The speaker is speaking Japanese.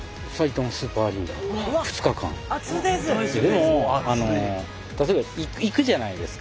でも例えば行くじゃないですか。